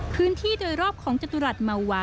พื้นที่โดยรอบของจตุรัสเมาวา